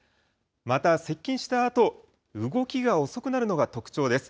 また、接近したあと動きが遅くなるのが特徴です。